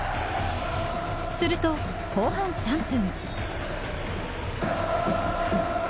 すると、後半３分。